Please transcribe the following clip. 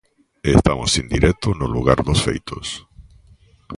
Estamos en directo no lugar dos feitos.